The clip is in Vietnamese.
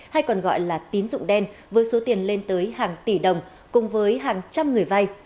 hay còn gọi là tín dụng đen với số tiền lên tới hàng tỷ đồng cùng với hàng trăm người vay